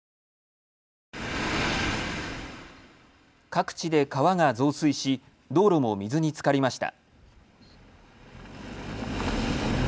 各地で川が増水し道路も水につかりました。